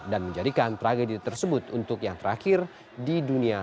dan menjadikan tragedi tersebut untuk yang terakhir di dunia sejarah